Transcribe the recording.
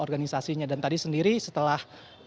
organisasinya dan tadi sendiri setelah